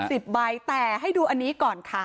สิบใบแต่ให้ดูอันนี้ก่อนค่ะ